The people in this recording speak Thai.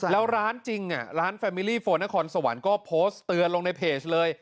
แล้วร้านจริงร้านแฟมิลี่โฟนนครสวรรค์ก็โพสต์เตือนลงในเพจเลย